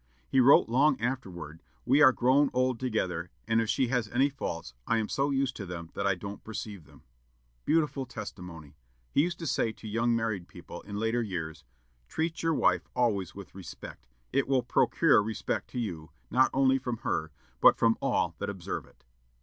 He wrote, long afterward, "We are grown old together, and if she has any faults, I am so used to them that I don't perceive them." Beautiful testimony! He used to say to young married people, in later years, "Treat your wife always with respect; it will procure respect to you, not only from her, but from all that observe it."